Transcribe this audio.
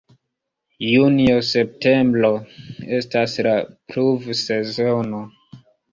Junio-septembro estas la pluvsezono.